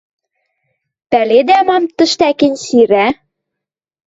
Пӓледӓ мам тӹштӓкен сирӓ?